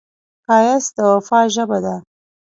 ښایست د وفا ژبه ده